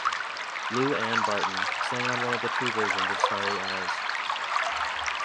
Lou Ann Barton sang on one of the two versions of "Starry Eyes".